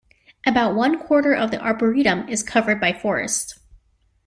About one-quarter of the Arboretum is covered by forest.